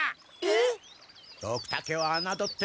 えっ？